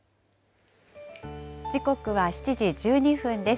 時刻は７時１２分です。